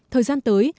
thời gian tới